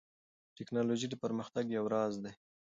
ټیکنالوژي د پرمختګ یو راز دی.